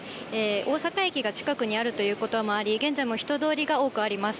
大阪駅が近くにあるということもあり、現在も人通りが多くあります。